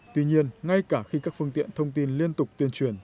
tuy nhiên ngay cả khi các phương tiện thông tin liên tục tuyên truyền